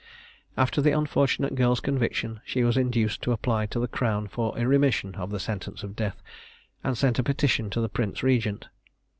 After the unfortunate girl's conviction she was induced to apply to the Crown for a remission of the sentence of death, and sent a petition to the prince regent.